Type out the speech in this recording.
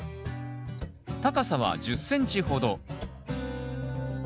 高さは１０ｃｍほど。